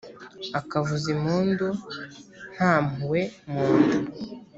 akavuza impundu nta mpuhwe mu nda